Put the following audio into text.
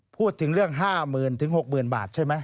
พูดถึงเรื่อง๕๐๐๐๖๐๐๐บาทใช่ไหม